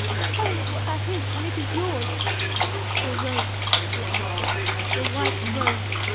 * Tell me what that is, and it is yours.' 'The rose,' he answered ' the white rose.